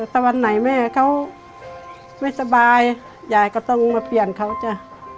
แต่วันไหนแม่เขาไม่สบายยายก็ต้องมาเปลี่ยนเขาจ้ะ